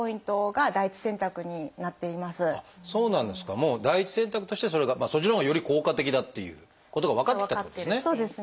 もう第一選択としてそれがそっちのほうがより効果的だっていうことが分かってきたってことですね。